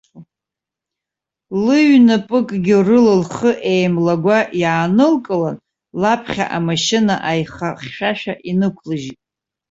Лыҩнапыкгьы рыла лхы еимлагәа иаанылкылан, лаԥхьа амашьына аиха хьшәашәа инықәлыжьит.